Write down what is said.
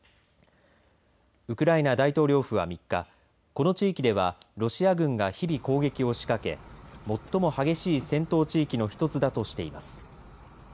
ウクライナ大統領府は３日この地域ではロシア軍が日々攻撃を仕掛け最も激しい戦闘地域の１つだとしています。